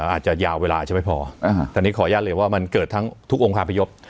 อาจจะยาวเวลาอาจจะไม่พออ่าฮะแต่นี้ขออนุญาตเลยว่ามันเกิดทั้งทุกองค์ความพยพ